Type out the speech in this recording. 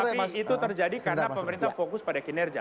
tapi itu terjadi karena pemerintah fokus pada kinerja